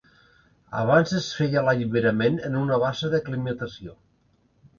Abans es feia l’alliberament en una bassa d’aclimatació.